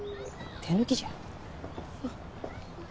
手抜きじゃん。